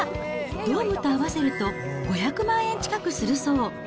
ドームと合わせると５００万円近くするそう。